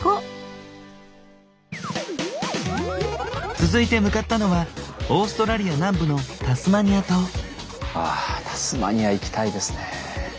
続いて向かったのはオーストラリア南部のああタスマニア行きたいですね。